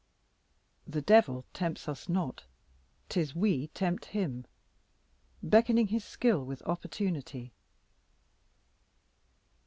The devil tempts us not 'tis we tempt him, Beckoning his skill with opportunity.